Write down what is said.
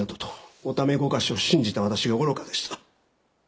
おためごかしを信じた私が愚かでした